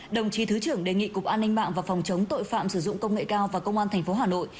đồng chí thứ trưởng đề nghị cục an ninh mạng và phòng chống tội phạm sử dụng công nghệ cao và công an tp hà nội